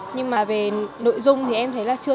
nhưng mà về nội dung thì em thấy là chưa